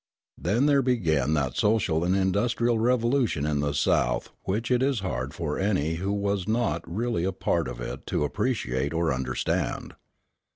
Then there began that social and industrial revolution in the South which it is hard for any who was not really a part of it to appreciate or understand.